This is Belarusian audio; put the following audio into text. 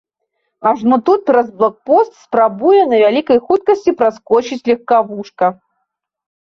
Ажно тут праз блокпост спрабуе на вялікай хуткасці праскочыць легкавушка.